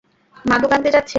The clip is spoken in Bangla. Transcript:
মাদক আনতে যাচ্ছে।